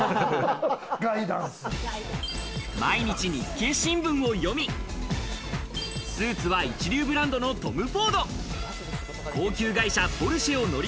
毎日、日経新聞を読み、スーツは一流ブランドのトム・フォード、高級外車ポルシェを乗り